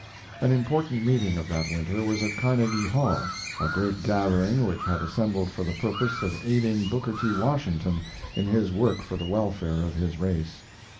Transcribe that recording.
An important meeting of that winter was at Carnegie Hall a great gathering which had assembled for the purpose of aiding Booker T. Washington in his work for the welfare of his race.